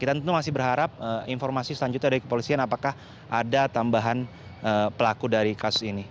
kita tentu masih berharap informasi selanjutnya dari kepolisian apakah ada tambahan pelaku dari kasus ini